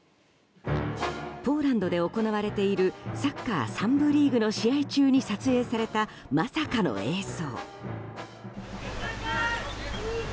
ポーランドで行われているサッカー３部リーグの試合中に撮影されたまさかの映像。